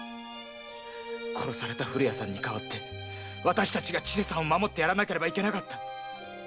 殺された古谷さんに代わって私たちが千世さんを守ってやらなければいけなかったんだ。